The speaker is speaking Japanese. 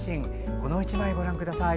この１枚、ご覧ください。